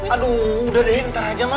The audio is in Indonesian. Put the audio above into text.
aduh udah deh ntar aja ma